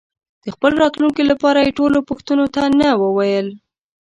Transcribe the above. د خپل راتلونکي لپاره یې ټولو پوښتنو ته نه وویل.